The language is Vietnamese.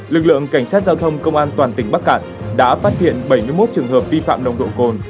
lực lượng cảnh sát giao thông công an toàn tỉnh bắc cạn đã phát hiện bảy mươi một trường hợp vi phạm nồng độ cồn